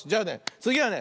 つぎはね